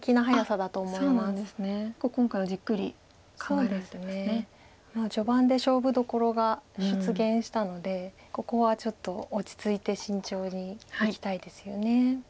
もう序盤で勝負どころが出現したのでここはちょっと落ち着いて慎重にいきたいですよね。